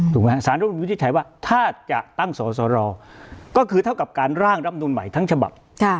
สารรำนูลวิทธิ์ใช้ว่าถ้าจะตั้งสรสรอก็คือเท่ากับการร่างรำนูลใหม่ทั้งฉบับ